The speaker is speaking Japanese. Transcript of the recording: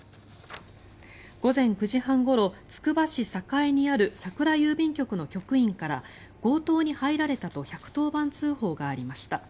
午前９時半ごろつくば市栄にある桜郵便局の局員から強盗に入られたと１１０番通報がありました。